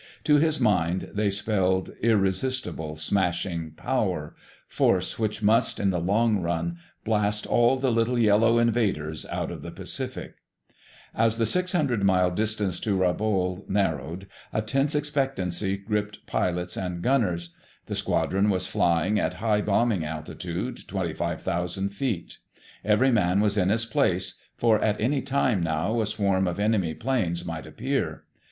To his mind they spelled irresistible, smashing power—force which must, in the long run, blast all the little yellow invaders out of the Pacific. As the 600 mile distance to Rabaul narrowed, a tense expectancy gripped pilots and gunners. The squadron was flying at high bombing altitude, 25,000 feet. Every man was in his place, for at any time now a swarm of enemy planes might appear.